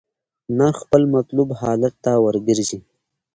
نرخ خپل مطلوب حالت ته ورګرځي.